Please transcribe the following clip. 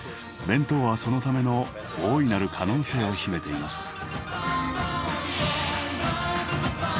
弁当はそのための大いなる可能性を秘めています。